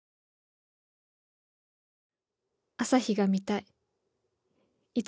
朝日が見たい。